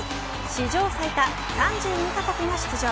史上最多３２カ国が出場。